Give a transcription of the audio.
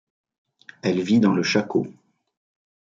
Elle vit dans le chaco.